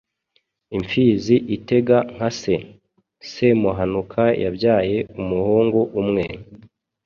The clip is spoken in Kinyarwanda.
Imfizi itega nka se! Semuhanuka yabyaye umuhungu umwe,